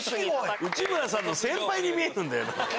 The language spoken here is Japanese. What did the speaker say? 内村さんの先輩に見えるんだよな。